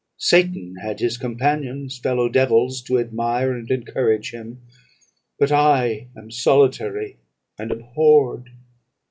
Satan had his companions, fellow devils, to admire and encourage him; but I am solitary and abhorred.'